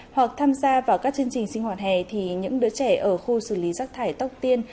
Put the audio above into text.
hoặc tham gia vào các chương trình sinh hoạt hè thì những đứa trẻ ở khu xử lý rác thải tóc tiên